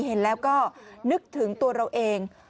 เห็นแล้วก็นึกถึงตัวเราเอง